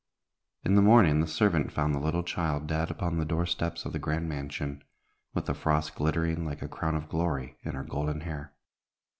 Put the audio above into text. In the morning the servant found a little child dead upon the door steps of the grand mansion, with the frost glittering like a crown of glory in her golden hair.